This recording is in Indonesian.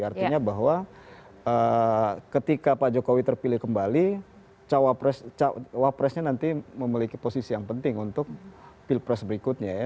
jadi saya rasa bahwa ketika pak jokowi terpilih kembali cawapresnya nanti memiliki posisi yang penting untuk pilpres berikutnya ya